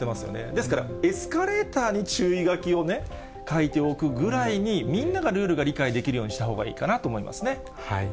ですからエスカレーターに注意書きを書いておくぐらいに、みんながルールを理解できるようにしておくといいと思いますね。